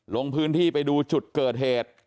ลงพื้นที่ไปดูจุดเกิดเหตุ